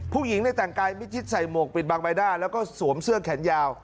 ผู้หญิงในแต่งกายมิดชิดใส่หมวกปิดบางใบหน้าแล้วก็สวมเสื้อแขนยาว